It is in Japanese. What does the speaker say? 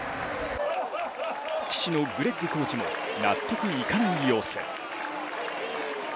父のグレッグコーチも納得いかない様子。